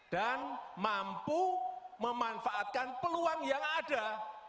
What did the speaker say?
dan mampu memanfaatkan peluang yang ada